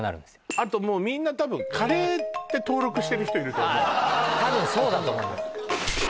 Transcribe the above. あともうみんな多分「カレー」って登録してる人いると思う多分そうだと思います